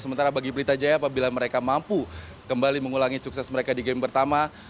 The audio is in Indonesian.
sementara bagi pelita jaya apabila mereka mampu kembali mengulangi sukses mereka di game pertama